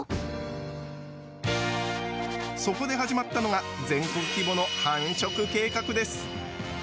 そこで始まったのが全国規模の繁殖計画です。